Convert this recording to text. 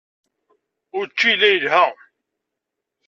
Učči yella yelha.